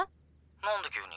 何で急に？